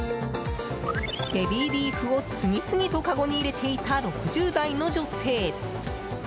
ベビーリーフを次々とかごに入れていた６０代の女性。